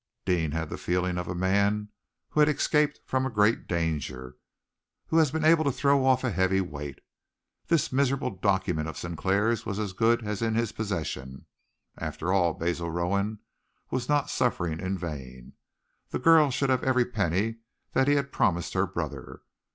Deane had the feeling of a man who has escaped from a great danger, who has been able to throw off a heavy weight. This miserable document of Sinclair's was as good as in his possession! After all, Basil Rowan was not suffering in vain. The girl should have every penny that he had promised her brother!